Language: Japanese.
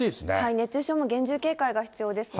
熱中症も厳重警戒が必要ですね。